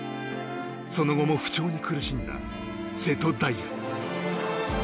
その後も不調に苦しんだ瀬戸大也。